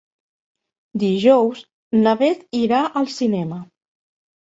Dijous na Beth irà al cinema.